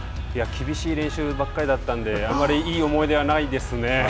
厳しい練習ばかりだったのであんまりいい思い出はないですね。